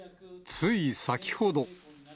つい先ほど。